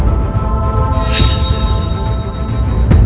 mereka semua berpikir seperti itu